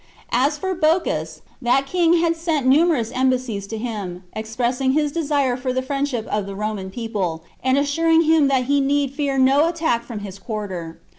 As for Bocchus, that king had sent numerous embassies to him, expressing his desire for the friendship of the Roman people, and assuring him that he need fear no attack from his quarter.